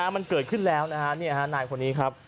มันเกิดขึ้นแล้วนะฮะนายคนนี้ครับ